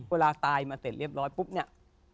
เวลาตายมาเสร็จเรียบร้อยปุ๊บเนี่ย